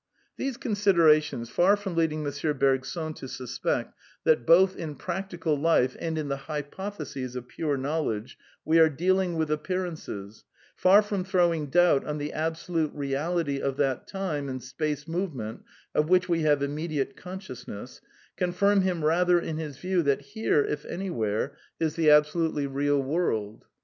These considerations, far from leading M. Bergson to suspect that both in practical life and in the hypotheses of pure knowledge we are dealing with appearan ces, far i from throwing doubt on the absolute reality of that time I I and space movement of which we have immediate con 1 * sciousness, confirm him rather in his view that here, if /■ anywhere, is the absolutely real world.